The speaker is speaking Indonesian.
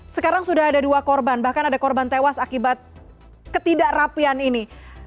sekarang sudah ada dua korban bahkan ada korban tewas akibat ketidakrapian ini